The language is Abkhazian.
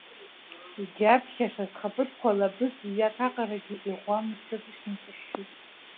Иџьабшьаша, схаԥыцқәа лабыҵә ҩак аҟарагьы иӷәӷәамызшәоуп ишныҵышәшәаз.